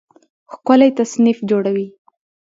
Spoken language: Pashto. ښکلی تصنیف جوړوي